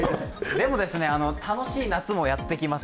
でも楽しい夏もやってきます。